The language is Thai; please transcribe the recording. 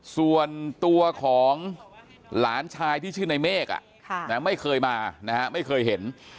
ส่วนตัวของหลานชายที่ชื่อในเมฆไม่เคยมานะฮะไม่เคยเห็น